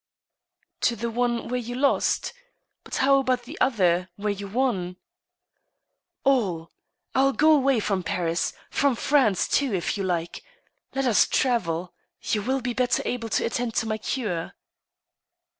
" To the one where you lost ; but how about the other, where you won ?" "AIL m go away from Paris — from France, too, if you like. Let us travel. You will be better able to attend to my cure."